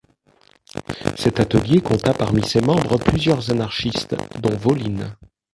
Cet Atelier compta parmi ses membres plusieurs anarchistes dont Voline.